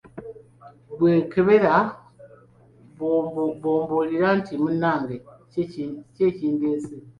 Ggwe kebera bw’obimbuulira anti munnange kye kindeese.